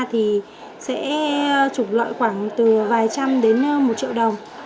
thì sẽ trục lợi khoảng từ vài trăm đến một triệu đồng